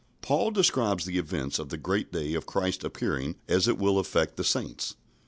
Paul describes the events of the great day of Christ's appearing as it will affect the saints.